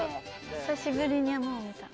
久しぶりに山を見た。